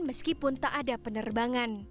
meskipun tak ada penerbangan